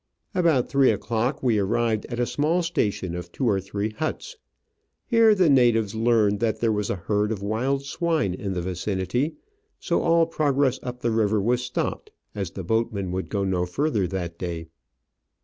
About three o'clock we arrived at a small station of two or three huts. Here the natives learned that there was a herd of wild swine in the vicinity, so all progress up the river was stopped, as the boatrnen Digitized by VjOOQIC OF AN Orchid Hunter. 95 would go no further that day.